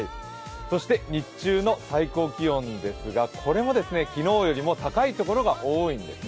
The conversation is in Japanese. そして日中の最高気温ですがこれも昨日よりも高いところが多いんですね。